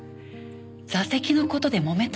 座席の事でもめたの。